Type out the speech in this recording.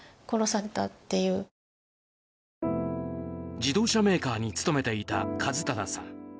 自動車メーカーに勤めていた一匡さん。